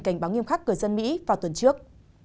cảnh báo nghiêm khắc cử dân mỹ vào tuần trước